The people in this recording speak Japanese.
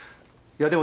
いや。